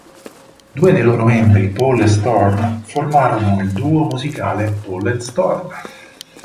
Due dei loro membri, Paul e Storm, formarono il duo musicale Paul and Storm.